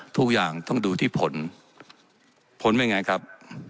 ทุกอย่างต้องดูที่ผลผลเป็นไงครับ